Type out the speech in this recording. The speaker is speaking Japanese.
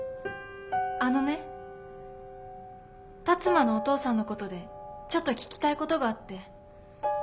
あのね辰馬のお父さんのことでちょっと聞きたいことがあって。